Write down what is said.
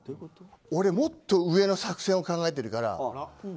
俺、もっと上の作戦を考えているから。